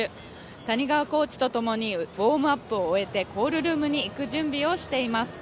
谷川コーチとともに、ウォームアップを終えてコールルームに行く準備をしています。